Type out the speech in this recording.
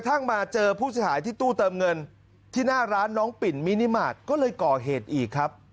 มาเจอผู้เสียหายที่ตู้เติมเงินที่หน้าร้านน้องปิ่นมินิมาตรก็เลยก่อเหตุอีกครับ